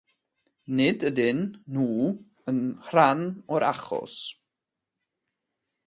Nid ydyn nhw'n rhan o'r achos.